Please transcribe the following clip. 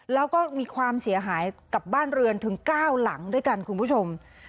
แล้วก็มีความเสียหายกับบ้านเรือนถึง๙หลังด้วยกันคุณผู้ชม